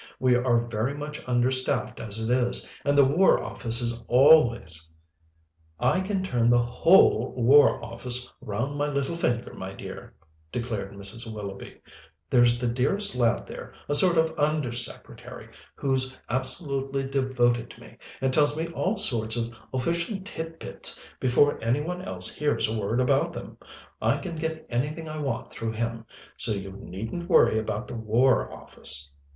We are very much understaffed as it is, and the War Office is always " "I can turn the whole War Office round my little finger, my dear," declared Mrs. Willoughby. "There's the dearest lad there, a sort of under secretary, who's absolutely devoted to me, and tells me all sorts of official tit bits before any one else hears a word about them. I can get anything I want through him, so you needn't worry about the War Office.